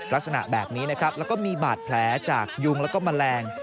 ลักษณะแบบนี้นะครับแล้วก็มีบาดแผลจากยุงแล้วก็แมลง